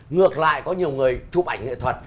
ngược lại có nhiều người chụp ảnh nghệ thuật